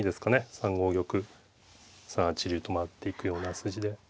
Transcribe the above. ３五玉３八竜と回っていくような筋で。